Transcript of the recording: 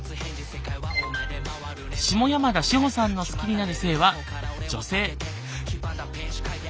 下山田志帆さんの好きになる性は女性。